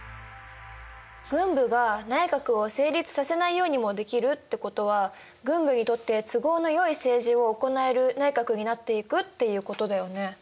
軍部が内閣を成立させないようにもできるってことは軍部にとって都合のよい政治を行える内閣になっていくっていうことだよね。